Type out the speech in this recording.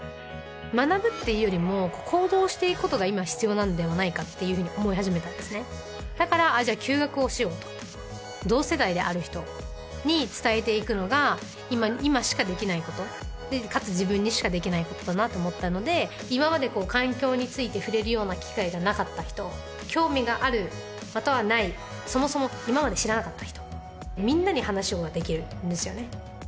学ぶっていうよりも行動していくことが今必要なんではないかっていうふうに思い始めたんですねだからじゃあ休学をしようと同世代である人に伝えていくのが今しかできないことでかつ自分にしかできないことだなと思ったので今まで環境について触れるような機会がなかった人興味があるまたはないそもそも今まで知らなかった人みんなに話はできるんですよね